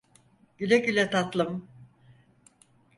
Güle güle tatlım.